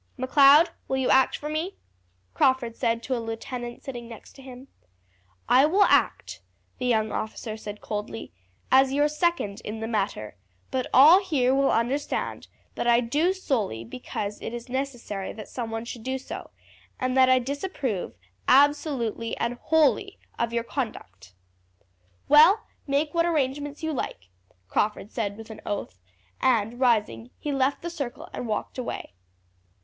"Macleod, will you act for me?" Crawford said to a lieutenant sitting next to him. "I will act," the young officer said coldly, "as your second in the matter; but all here will understand that I do solely because it is necessary that some one should do so, and that I disapprove absolutely and wholly of your conduct." "Well, make what arrangements you like," Crawford said with an oath, and rising he left the circle and walked away.